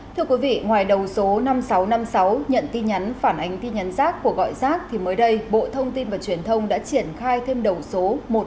thưa quý vị ngoài đầu số năm nghìn sáu trăm năm mươi sáu nhận tin nhắn phản ánh tin nhắn rác của gọi rác thì mới đây bộ thông tin và truyền thông đã triển khai thêm đầu số một trăm một mươi